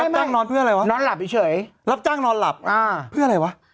จ้างนอนเพื่ออะไรวะนอนหลับเฉยรับจ้างนอนหลับอ่าเพื่ออะไรวะ